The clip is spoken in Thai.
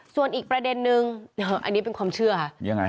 ส่วนอีกประเด็นนึงอันนี้เป็นความเชื่อค่ะยังไงฮ